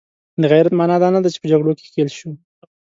د غیرت معنا دا نه ده چې په جګړو کې ښکیل شو.